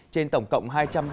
trên tổng cộng